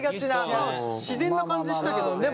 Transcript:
まあ自然な感じしたけどね。